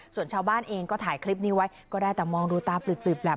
ส่วนชาวบ้านเองก็ถ่ายคลิปนี้ไว้ก็ได้แต่มองดูตาปลึบแหละ